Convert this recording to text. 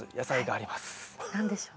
何でしょう？